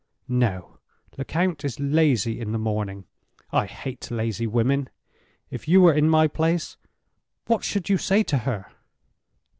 "No. Lecount is lazy in the morning. I hate lazy women! If you were in my place, what should you say to her?"